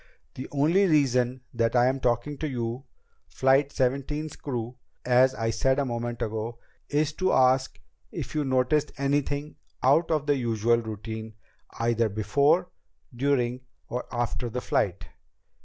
The only reason that I am talking to you, Flight Seventeen's crew, as I said a moment ago, is to ask if you noticed anything out of the usual routine either before, during, or after the flight."